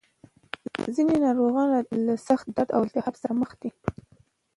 ځینې ناروغان له سخت درد او التهاب سره مخ دي.